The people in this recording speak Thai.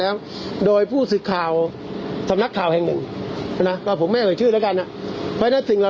ฟันอยู่ครบทุกสี่ไม่มีฟันหักเลยแม้แต่สี่เดียวฟันหักเลย